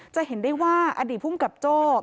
จะเห็นได้ว่าอดีตภูมิกับโจ้